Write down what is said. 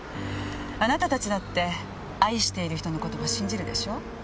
あなたたちだって愛している人の言葉信じるでしょ？